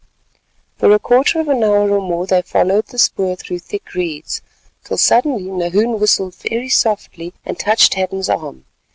For a quarter of an hour or more they followed the spoor through thick reeds, till suddenly Nahoon whistled very softly and touched Hadden's arm.